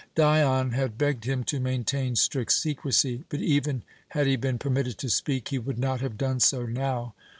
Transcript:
Dion had begged him to maintain strict secrecy; but even had he been permitted to speak, he would not have done so now.